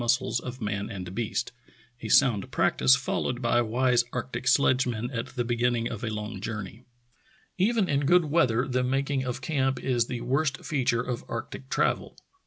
222 True Tales of Arctic Heroism cles of man and beast — a sound practice followed by wise arctic sledgemen at the beginning of a long journey. Even in good weather the making of camp is the worst feature of arctic travel.